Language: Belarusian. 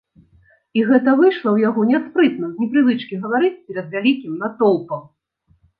І гэта выйшла ў яго няспрытна з непрывычкі гаварыць перад вялікім натоўпам.